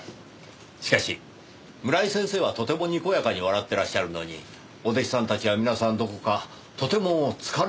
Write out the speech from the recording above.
しかし村井先生はとてもにこやかに笑ってらっしゃるのにお弟子さんたちは皆さんどこかとても疲れた顔をしてますね。